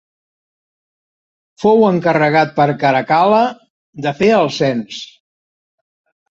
Fou encarregat per Caracal·la de fer el cens.